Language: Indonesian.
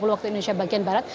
waktu indonesia bagian barat